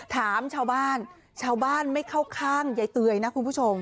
ถามชาวบ้านชาวบ้านไม่เข้าข้างยายเตยนะคุณผู้ชม